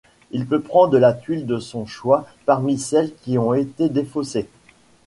Il peut prendre la tuile de son choix parmi celles qui ont été défaussées.